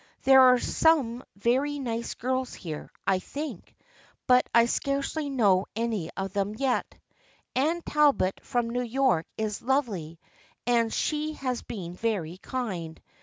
There are some very nice girls here, I think, but I scarcely know any of them yet. Anne Talbot from New York is lovely and has been very kind.